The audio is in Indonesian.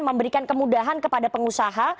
memberikan kemudahan kepada pengusaha